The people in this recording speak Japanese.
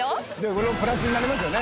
これもプラスになりますよね